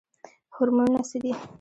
هورمونونه څه دي؟